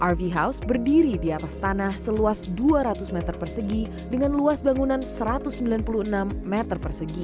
rv house berdiri di atas tanah seluas dua ratus meter persegi dengan luas bangunan satu ratus sembilan puluh enam meter persegi